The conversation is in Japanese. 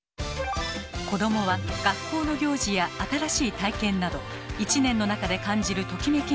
子どもは学校の行事や新しい体験など１年の中で感じるトキメキが多い。